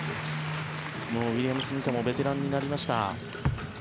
ウィリアムス・ニカもベテランになりました。